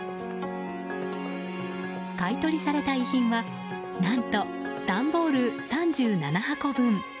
買い取りされた遺品は何と段ボール３７箱分。